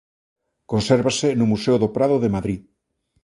Consérvase no Museo do Prado de Madrid.